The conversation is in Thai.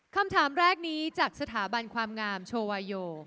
คำถามแรกนี้จากสถาบันความงามโชวาโย